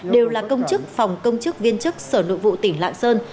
đều là công chức phòng công chức viên chức sở nội vụ tỉnh lạng sơn